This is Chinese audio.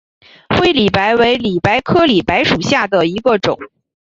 灰里白为里白科里白属下的一个种。